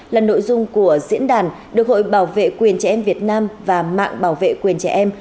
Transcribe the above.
là nội dung của diễn đàn được hội bảo vệ quyền trẻ em việt nam và mạng bảo vệ quyền trẻ em